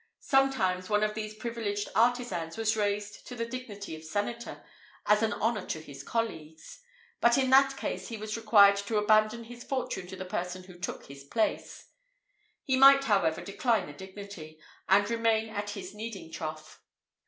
[IV 49] Sometimes one of these privileged artisans was raised to the dignity of senator, as an honour to his colleagues; but in that case he was required to abandon his fortune to the person who took his place; he might, however, decline the dignity, and remain at his kneading trough.